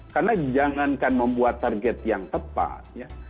karena jangankan membuat target yang tepat